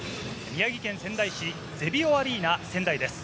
宮城県仙台市ゼビオアリーナ仙台です。